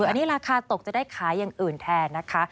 อันนี้ราคาตกจะได้ขายอย่างอื่นแทนนะคะ